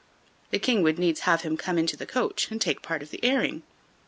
The King would needs have him come into the coach and take part of the airing.